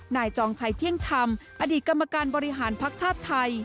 จองชัยเที่ยงธรรมอดีตกรรมการบริหารภักดิ์ชาติไทย